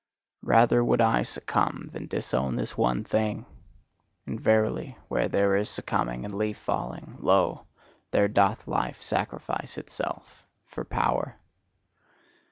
Rather would I succumb than disown this one thing; and verily, where there is succumbing and leaf falling, lo, there doth Life sacrifice itself for power!